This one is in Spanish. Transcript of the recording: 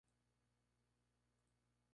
Además, el edificio estaba en muy mal estado.